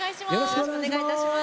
よろしくお願いします。